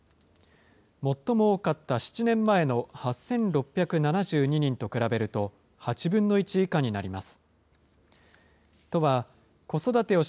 最も多かった７年前の８６７２人と比べると、８分の１以下になります。